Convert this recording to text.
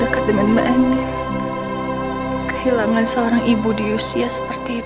kenapa pergi dengan cara seperti ini